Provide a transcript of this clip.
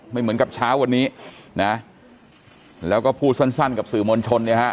เหมือนกับเช้าวันนี้นะแล้วก็พูดสั้นกับสื่อมวลชนเนี่ยฮะ